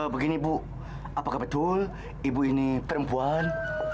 begini bu apakah betul ibu ini perempuan